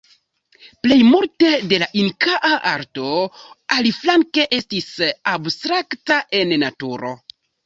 Plej multe de la inkaa arto, aliflanke, estis abstrakta en naturo.